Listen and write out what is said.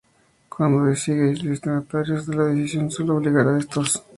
Cuando designe destinatarios, la decisión sólo obligará a estos.